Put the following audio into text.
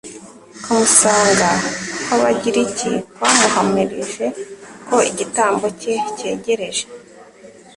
kumusanga kw'abagiriki kwamuhamirije ko igitambo cye cyegereje,